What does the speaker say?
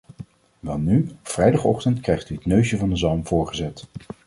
Welnu, op vrijdagochtend krijgt u het neusje van de zalm voorgezet.